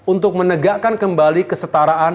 untuk menegakkan kembali kesetaraan